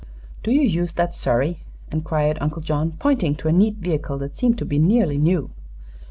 "Do you use that surrey?" inquired Uncle John, pointing to a neat vehicle that seemed to be nearly new.